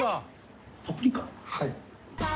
はい。